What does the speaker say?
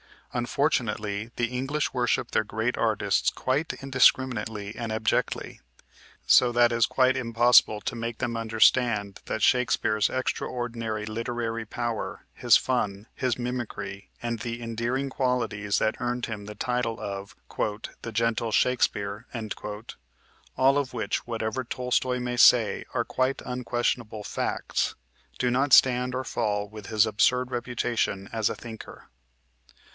Unfortunately, the English worship their great artists quite indiscriminately and abjectly; so that is quite impossible to make them understand that Shakespeare's extraordinary literary power, his fun, his mimicry, and the endearing qualities that earned him the title of "the gentle Shakespeare" all of which, whatever Tolstoy may say, are quite unquestionable facts do not stand or fall with his absurd reputation as a thinker.